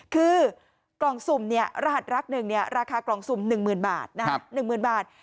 คือกล่องสุมรหัสลักหนึ่งราคากล่องสุม๑๐๐๐๐บาท